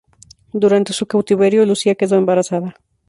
Durante su cautiverio, Lucía quedó embarazada.